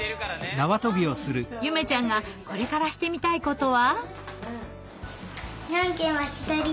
ゆめちゃんがこれからしてみたいことは？